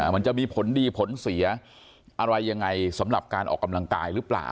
มันจะมีผลดีผลเสียอะไรยังไงสำหรับการออกกำลังกายหรือเปล่า